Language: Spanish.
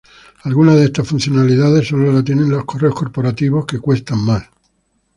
Algunas de estas funcionalidades solo la tienen los correos corporativos que cuestan mas.